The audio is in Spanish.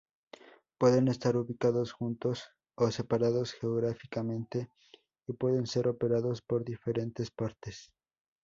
Pueden estar ubicados juntos o separados geográficamente, y pueden ser operados por diferentes partes.